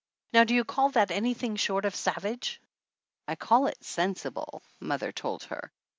Now, do you call that anything short of savage?" "I call it sensible," mother told her.